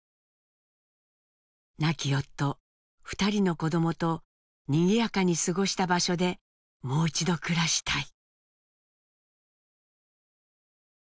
亡き夫２人の子どもとにぎやかに過ごした場所でもう一度暮らしたい。